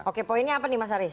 oke poinnya apa nih mas haris